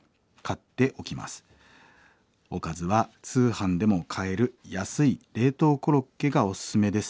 おかずは通販でも買える安い冷凍コロッケがおすすめです。